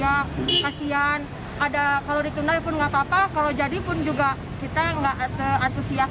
ya kasihan ada kalau ditundai pun nggak apa apa kalau jadi pun juga kita nggak seantusias